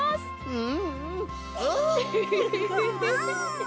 うんうん。